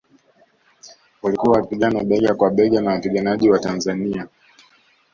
Walikuwa wakipigana bega kwa bega na wapiganaji wa Tanzania